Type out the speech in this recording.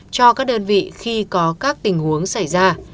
cho các đơn vị khi có các tình huống xảy ra